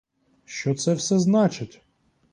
Що це все значить?